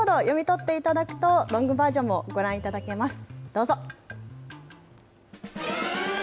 こちらのＱＲコードを読み取っていただくと、ロングバージョンもご覧いただけます、どうぞ。